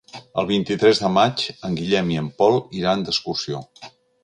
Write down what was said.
El vint-i-tres de maig en Guillem i en Pol iran d'excursió.